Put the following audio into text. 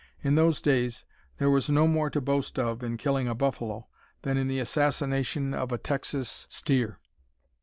In those days there was no more to boast of in killing a buffalo than in the assassination of a Texas steer.